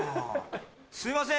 すいません